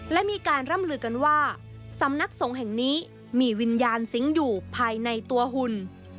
และมีการร่ำลือกันว่าสำนักสงฆ์แห่งนี้มีวิญญาณสิงห์อยู่ภายในตัวหุ่น